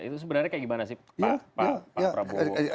itu sebenarnya kayak gimana sih pak prabowo